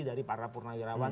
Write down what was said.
dari para purnawirawan